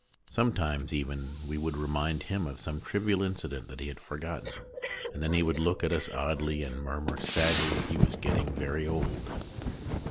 Sometimes even we would remind him of some trivial incident that he had THE STORY TELLER 27 forgotten, and then he would look at us oddly and murmur sadly that he was getting very old.